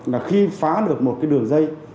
là khi phá được một cái đường dây